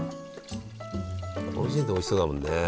こうして見るとおいしそうだもんね。